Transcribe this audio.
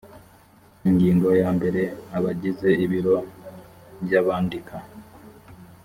ingingo ya mbere abagize ibiro by abandika